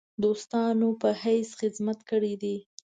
دوستانو په حیث خدمت کړی دی.